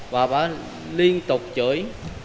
và bà liên tục chửi